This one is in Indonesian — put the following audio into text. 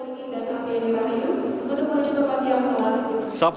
gresia poliki dan apriani raya untuk menutup hati yang telah diberi